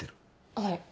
はい。